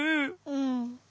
うん。